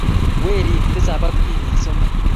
Weriik tisap ak tibiik somok.